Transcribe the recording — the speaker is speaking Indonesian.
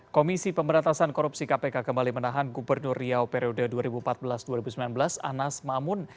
komisi pemberantasan korupsi kpk kembali menahan gubernur riau periode dua ribu empat belas dua ribu sembilan belas anas mamun